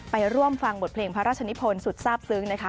ไปร่วมฟังบทเพลงพระราชนิพลสุดทราบซึ้งนะคะ